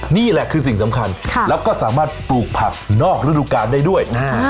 นี่แหละคือสิ่งสำคัญแล้วก็สามารถปลูกผักนอกฤดูกาลได้ด้วย